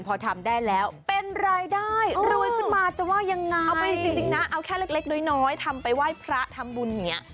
เอาไปจริงนะเอาแค่เล็กน้อยทำไปว่ายพระทำบุญเนี่ย